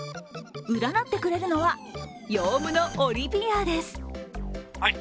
占ってくれるのは、ヨウムのオリビアです。